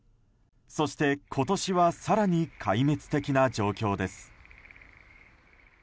そして今年は更に壊滅的な状況です。